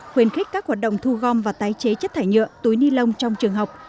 khuyến khích các hoạt động thu gom và tái chế chất thải nhựa túi ni lông trong trường học